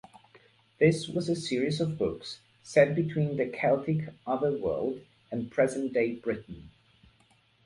This was a series of books set between the Celtic Otherworld and present-day Britain.